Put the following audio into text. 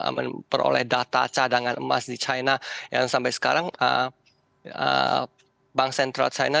saya mencoba menggunakan data cadangan emas di china yang sampai sekarang bank sentral china